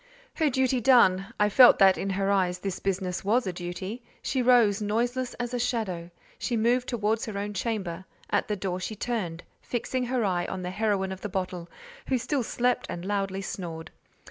Her duty done—I felt that in her eyes this business was a duty—she rose, noiseless as a shadow: she moved towards her own chamber; at the door, she turned, fixing her eye on the heroine of the bottle, who still slept and loudly snored.